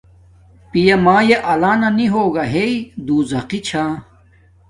پیا مایے آلانا نی ہوگا ہݵ دوزخی چھا